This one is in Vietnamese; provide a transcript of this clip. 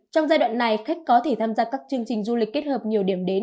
trong giai đoạn này khách có thể tham gia các chương trình du lịch kết hợp nhiều điểm đến